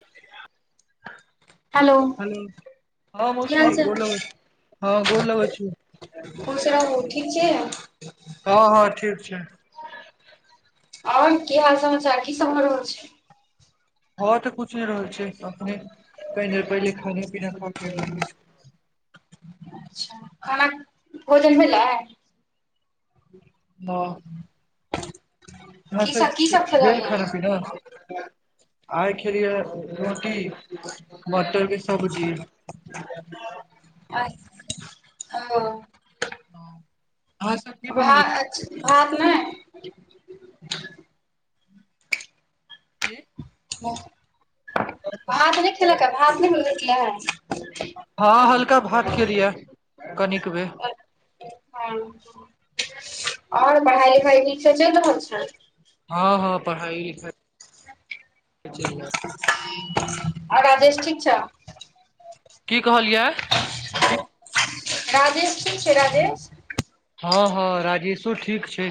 [unintelligible] hello हँ की मौसी हाल चाल गोर लग हँ गोर लग छी खुश रहू ठीक छिय हँ हँ ठीक छै आओर की हाल समाचार की सभ भऽ रहल छै भऽ तऽ कुछ नहि रहल छै त अखने कनि देर पहिले खाने पीना खाके एलहु है अच्छा खाना भोजन भेलिलै ह ब ह की सब की खेलऽ बेल अपन खड़ा [unintelligible] आइ खेलीये रोटी मटरके अ ओ ह भात भात नहि कि भात नहि खेलक भात नहि मिल हँ हल्का भात केेलिए कनिक बे हं और पढ़ाई लिखाई ठीक सँ चलि रहल छनि हँ हँ पढ़ाई लिखाइ अ च आ राजेश ठीक छ की कहलियै राजेश ठीक छै राजेश हँ हँ राजेशो ठीक छै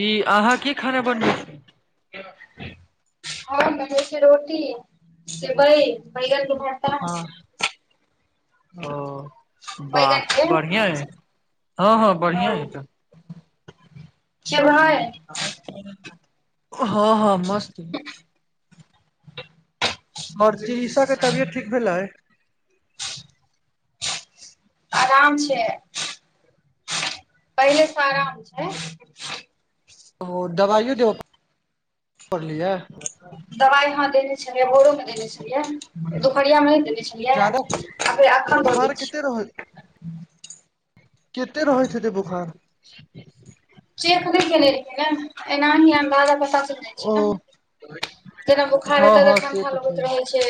ई अहाँ की खाना बनबै छी हँ छ रोटी से बै बैग हँ ओ बैगन बाह के बढ़ियां अइ हँ हँ बढ़ियां अइ तऽ खेबहै हँ हँ मस्त [unintelligible] आओर [unintelligible] के तबियत ठीक भेलैै आराम छै पहिलेसँ आराम छै ओ दबाइयो देबऽ पड़लियै दवाइ हह देने छलियै भोरोमे देने छलियै दुपहरियामे नहि देने छलियै जादा आर एखन बोखार बनबै छिय कते केते रहैत हेतै बोखार चेक नै केने रहियै ने एनाही अंदाजा बता पता चलि जाइ ओ छै न जखन बोखार हँ रहतनि हँ त से तऽ ठण्डा लगैत ठीक रहै छै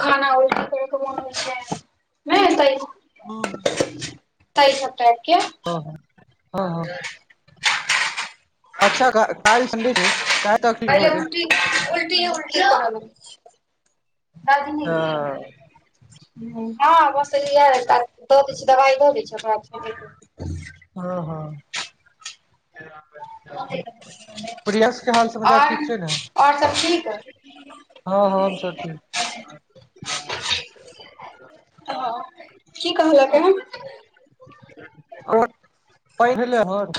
खाना उल कर मन होइ छै नहि त हँ ताहि लऽ केँ ह ह हँ हँ अच्छा क काल्हि संडे छै काल्हि तकलीफ पहिले होइ छै उल्टी उल्टी उल्टी राजाज तऽ हँ बसल य [unintelligible] त दै छिये दबाई द दै छै हँ हँ प्रियांश के हाल समाचार ओर ठीक छै ने ओर सभ ठीक हँ हँ सभ ठीक ह क कहल त आ पहिदले होर [unintelligible]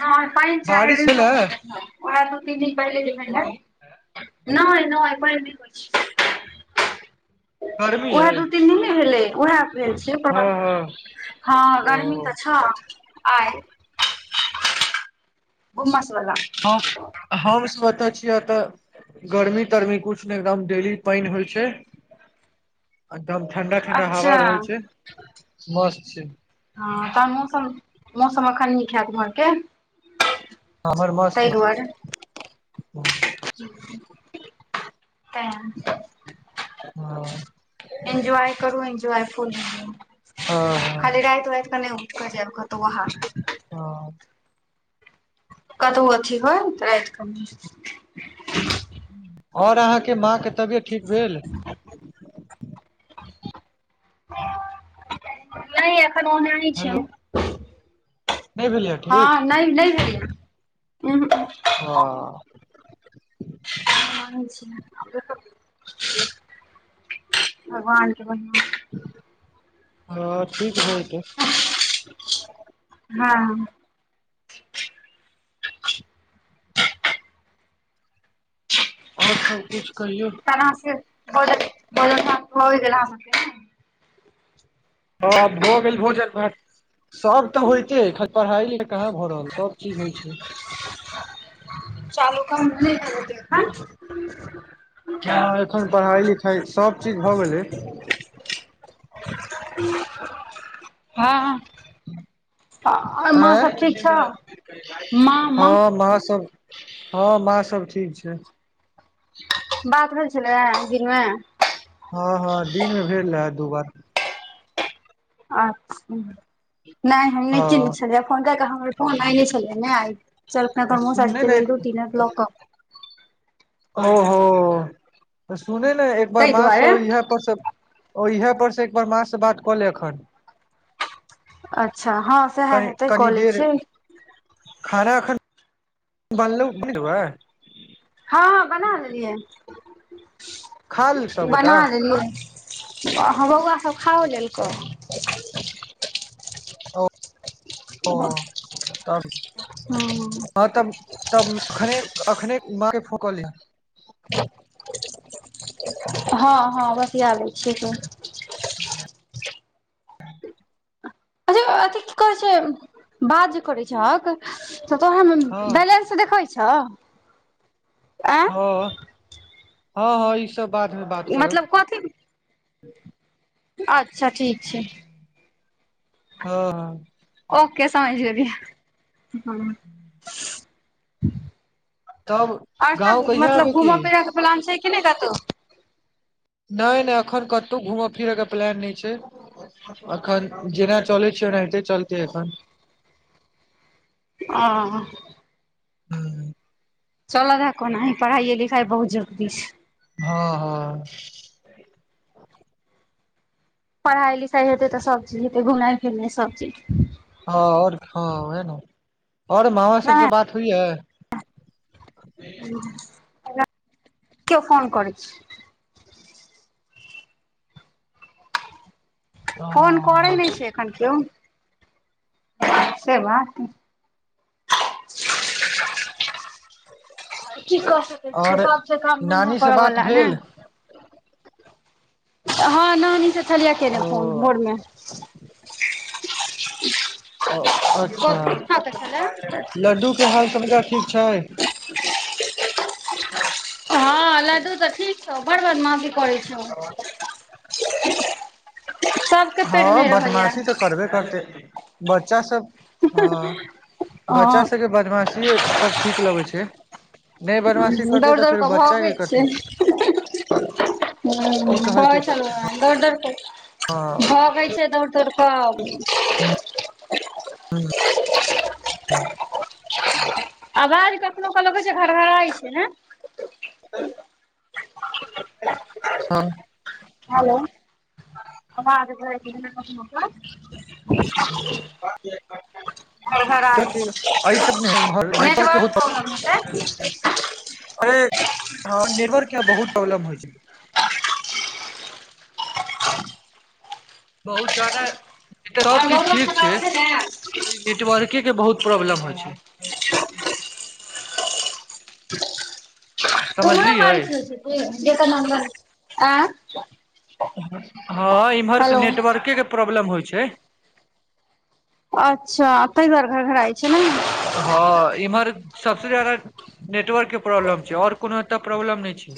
अहाँ पेन चार बारिश दिन से भेलै बंद रखब ओरा दू तीन दिन पहिल जेहिये देखे ल [unintelligible] नहि नहि पैघ नहि होयत छै गर्मी उएह अइ दू तीन दिन ने भेलै उएह भेल छिए हँ हँ हँ गर्मी ओ तऽ छओ आइ उमसवला हम हम स्वतः छियै एत गर्मी तरमी कुछ ने एकदम डेली पाइन होइ छै तब ठंडा ठंडा अच्छा हवा रहै छै मस्त छै हँ तहन मौम मौसम एखन नीक हयत घरके हमर मस्त चीज [unintelligible] तेऽ [unintelligible] हँ एन्जॉय करूँ एन्जॉय फुल एन्जॉय हँ खाली रायत वायत क नहि उठक जा ओख तऽ आहा [unintelligible] कतहु अथी होय रात के नैए ओर अहाँके माँ के तबियत ठीक भेल नहि एखन ओनाहि छै हेलो नहि भेलैए हँ ठीक ने ने हे य ह [unintelligible] किया [unintelligible] भगवानके बनिया हँ ठीक भय जेतै [unintelligible] हँ ह्म [inaudible] [inaudible] आओर सब कुछ कहियौ त [unintelligible] होइ गेल अहाँके हँ भऽ गेल भोजन भात सब तऽ होयइतेखन पढ़ाई लिख कहाँ भरल सब चीज होइ छै चालू काम हेते अखैन हँ एखन पढ़ाई लिखाई सब चीज भए गेलै हँ आओर माँ आय सब ठीक छौ हँ माँ सब हँ मा सब ठीक छै बात भेल छलै दिन मे हँ हँ दिनमे भेल रहे दू बार अच्छा नहि हम नहिचेन् नहि हँ छलियै फोन कर कऽ हमर फोन आइ नहि छलियै नहि आइ चलकना त मग [unintelligible] साझ सुनने व ने बेर दू तीन क्लॉक क ओ हो त सुने ने एक ताहि बार म दुआरे यहाँ पर सब ओ इहे पर से एकबार माँ से बात कऽ ले एखन अच्छा हँ सएह कनि हेतै कनि कॉलेज देर छिए खाना अखैन बल्लो देनब हँ बना लेलियै खा लेल सबगोटा बना लेलियै बौआ सब खा लेल को ओ तब हँ तब तब अखने अखने माँ के फो क ले हँ [inaudible] हँ हँ बतिया लै छियै त [inaudible] [inaudible] अथ की कहै छै बात जे करै छहक तो हँ बैलेंस त देखैत छौ आँय हँ हँ हँ ई सब बादमे बात मतलब करब कथी अच्छा ठीक छै हँ हँ ओके समझिया [unintelligible] तब और गाँव सब कहिया मतलब एबै की घूम फिर के प्लान छै कि ने कतो नहि नहि एखन कतो घूमय फिरयके प्लान नहि छै अखन जेना चै छि ओनाहिते चलते एखन आ हू चल द ह कोनाह पढ़ाइए लिखाई बहुत जरुरी छै हँ हँ पढ़ाई लिखाई हेतै त सब चीज हेतै घुमनाइ फिरनाइ सब चिज हँ और हँ वह ने और मामा सबसँ नहि बात होइया न केओ फोन करै अछि [unintelligible] फोन करै हँ नहि छै एखन किओ से बात [inaudible] [inaudible] की क सकै आओर छीयै काम धन्धा नानी से करै बात बला ने भेल हँ नानी से छलियए केने फोन भोर ओ में ह [unintelligible] [unintelligible] ओ अच्छा लड्डूके हाल सबटा ठीक छैय हँ लड्डू त ठीक छौ बड़ बादमाशी करै छौ सब हँ बदमाशी तऽ करबे करतै बच्चा सब हँ बच्चा हँ सभके बदमाशिएपर ठीक लगै छै नहि बदमाशी करतै दौड़ तऽ दौड़ फेर क बच्चा भगै के छै कथी ह की कहै कहते बच्चा चलूए दौड़ दौड़ऽ हँ भगै छै दौड़ दौड़ कऽ हँ हँ आवाज कखनो क लगैछै घरघराइ छै नै हँ [unintelligible] हेलो [unintelligible] [inaudible] [unintelligible] [inaudible] आभी घरघराइ छै तक नहि है नेट नेटवर्क प्रॉब्लम हेतै [unintelligible] हटक बहुत प्रोब्लब होइ [unintelligible] [unintelligible] बहुत जादा सभ और चीज बहुमत ठीक छै समाज ने नेटवर्के के बहुत प्रॉब्लम होइ छै समझलियै जे त न्गर आ [unintelligible] हँ इम्हरक नेटवर्केके प्रॉब्लम होइ छै अच्छा तै दुआरे घर घराय छै ने हँ इम्हर सबसँ जादा नेटवर के प्रॉब्लम छै और कोनो एतय प्रॉब्लम नहि छै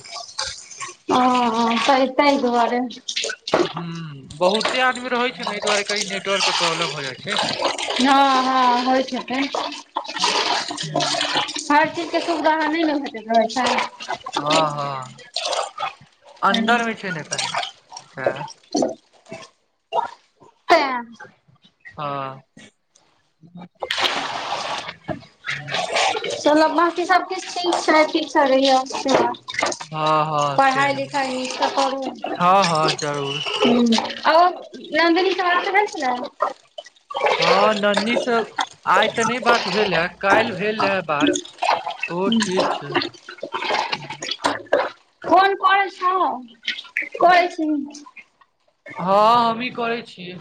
ओ त तैआरे हूं बहुते आदमी रहैत छै ने एहि दुआरे कही नेटवर प्रोब्लम हो जाइत हँ हँ होइत हेतै हर चीज के सुविधा ने ने हेतै हमरा अखेन हँ हँ अन्दरमे छै ने कभी तेँ हँ चलब बांकी सबकिछु ठीक छै ठीक सँ रहिह सैह हँ हँ से पढ़ाइ लिखाइ निक सँ करू हँ हँ जरूर ह आओ नन्दनी सर छै ने हँ ननी से आइ ते नहि बात भेल हे काल्हि भेल ह बात ओ ठीक छै फोन कर छ कर छी हँ हमही करै छियै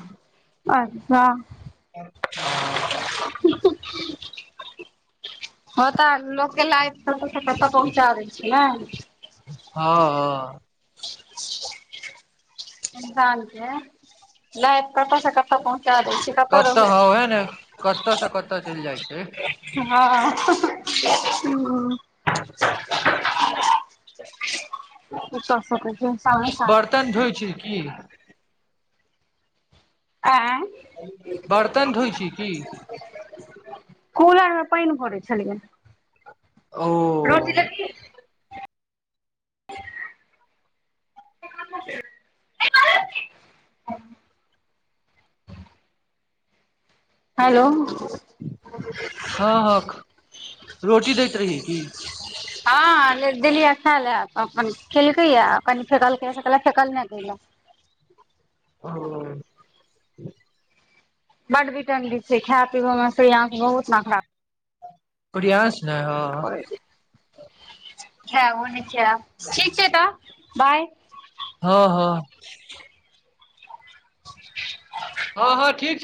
अच्छा हँ [inaudible] ह तऽ लोकके लाइफतऽ पहुँचा दै छै ने हँ ह इंसान के लाइफ कतऽ से कतऽ पहुँचा दै छी कतऽ ह हे ने कतऽ से कतऽ चलि जाइ छै हँ ह कस कह च छ तन धइ छी की आँय बर्तन धोइ छी की कूलर मे पानि भरै छलियै ओ रोटी लेबही [inaudible] रंत् [inaudible] हेलो हँ हँ रोटी दैत रही की हँ देली अच्छा ले अपन खेलकै या कनी फेकल फेकल नहि कलक ओ बड भी टडी छै खाय पबो में यंख बहुत न खराब [unintelligible] प्रियास नहि हँ पढ़े छी खाए ओ न खाए ठीक छै त बाय हँ हँ हँ हँ ठीक छै